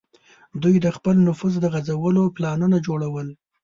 دوی د خپل نفوذ د غځولو پلانونه جوړول.